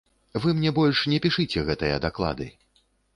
Вы мне больш не пішыце гэтыя даклады.